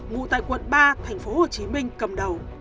ngụ tại quận ba tp hcm cầm đầu